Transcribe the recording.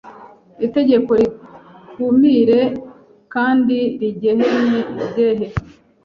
itegeko rikumire kendi rigehene ibyehe